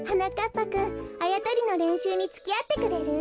ぱくんあやとりのれんしゅうにつきあってくれる？